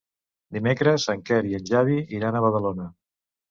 Dimecres en Quer i en Xavi iran a Badalona.